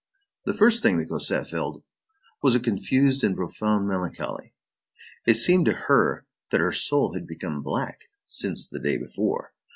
The first thing that Cosette felt was a confused and profound melancholy. It seemed to her that her soul had become black since the day before.